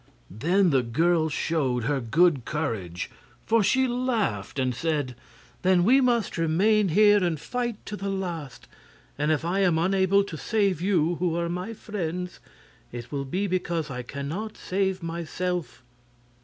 Then the girl showed her good courage; for she laughed and said: "Then we must remain here and fight to the last; and if I am unable to save you, who are my friends, it will be because I can not save myself."